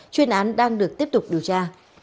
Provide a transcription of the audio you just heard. chuyên án đang được tiếp tục điều tra